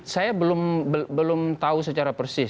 saya belum tahu secara persis